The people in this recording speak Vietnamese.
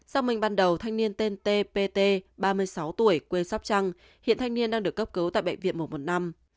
sau mình ban đầu thanh niên tên t p t ba mươi sáu tuổi quê sắp trăng hiện thanh niên đang được cấp cứu tại bệnh viện một trăm một mươi năm